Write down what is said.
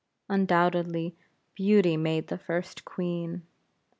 Undoubtedly, Beauty made the first Queen.